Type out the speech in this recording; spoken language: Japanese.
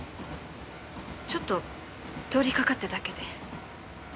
ちょっと通りかかっただけで。